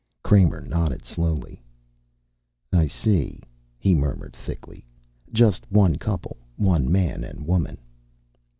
Kramer nodded slowly. "I see," he murmured thickly. "Just one couple. One man and woman."